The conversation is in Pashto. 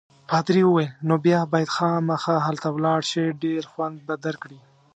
پادري وویل: نو بیا باید خامخا هلته ولاړ شې، ډېر خوند به درکړي.